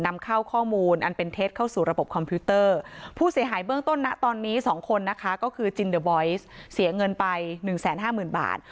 ราคาก็คือจินเดอร์บอยซ์เสียเงินไป๑๕๐๐๐๐บาท